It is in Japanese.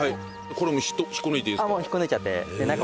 これ引っこ抜いていいですか？